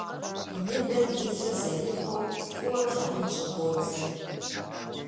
Ныбэм илъыр зэрихъуэу фӀыуэ плъагъун щӀыбодзэ.